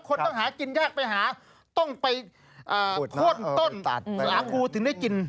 ต้องหากินยากไปหาต้องไปโค้นต้นสาคูถึงได้กิน